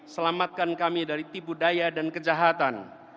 selamatkan kami dari tipu daya dan kejahatan